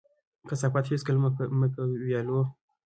کثافات هيڅکله مه په ويالو،